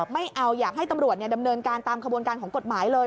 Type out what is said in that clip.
ไม่เอาอยากให้ตำรวจดำเนินการตามขบวนการของกฎหมายเลย